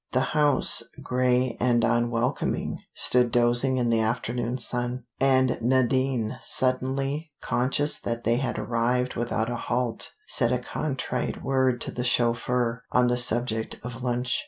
The house, gray and welcoming, stood dozing in the afternoon sun, and Nadine, suddenly conscious that they had arrived without a halt, said a contrite word to the chauffeur on the subject of lunch.